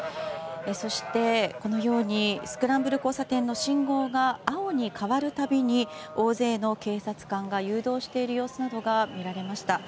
そして、このようにスクランブル交差点の信号が青に変わるたびに大勢の警察官が誘導している様子などが見られました。